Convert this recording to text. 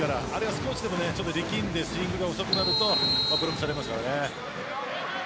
少しでも力んでスイングが遅くなるとブロックされます。